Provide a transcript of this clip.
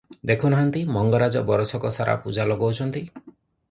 ଦେଖୁ ନାହାନ୍ତି ମଙ୍ଗରାଜ ବରଷକସାରା ପୂଜା ଲଗାଉଛନ୍ତି ।